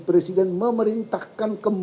presiden memerintahkan kami